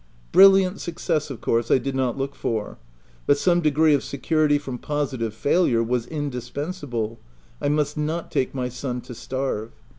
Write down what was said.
Brilliant success, of course, I did not look for, but some degree of security from positive failure was indispensable — I must not take my son to starve.